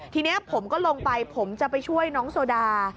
ทีนี้ผมก็ลงไปผมจะไปช่วยน้องโซดา